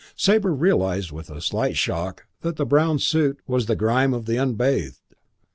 Sabre realised with a slight shock that the brown suit was the grime of the unbathed.